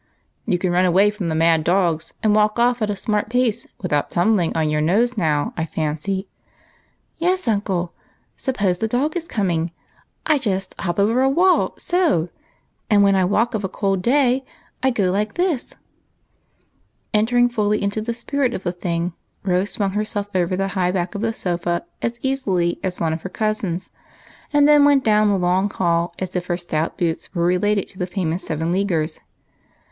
"You can run away from the mad dogs, and walk off at a smart pace without tumbling on your nose, now, I fancy ?" FASHION AND PHYSIOLOGY. 213 "Yes, uncle! suppose the dog coming, I just hop over a wall so — and when I walk of a cold day, I go like this —" Entering fully into the spirit of the thing. Rose swung herself over the high back of the sofa as easily as one of her cousins, and then went down the long hall as if her stout boots were related to the famous seven leaguers.